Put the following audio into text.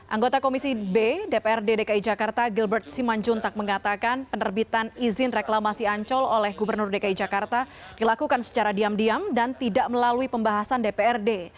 anggota komisi b dprd dki jakarta gilbert simanjuntak mengatakan penerbitan izin reklamasi ancol oleh gubernur dki jakarta dilakukan secara diam diam dan tidak melalui pembahasan dprd